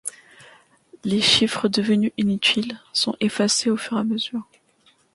Les chiffres, devenus inutiles, sont effacés au fur et à mesure.